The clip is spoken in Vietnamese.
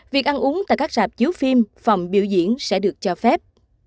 việc ăn uống tại các rạp chiếu phim phòng biểu diễn sẽ được cho phép